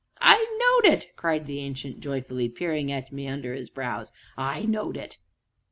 "I knowed it!" cried the Ancient joyfully, peering at me under his brows; "I knowed it!"